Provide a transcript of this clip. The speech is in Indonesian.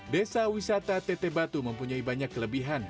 desa wisata teteh batu mempunyai banyak kelebihan